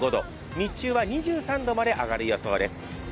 日中は２３度まで上がる予想です。